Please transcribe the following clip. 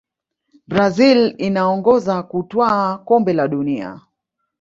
brazil inaongoza kutwaa kombe la dunia